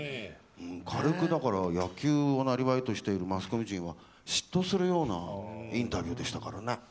軽く野球をなりわいとしているマスコミ陣は嫉妬するようなインタビューでしたからね。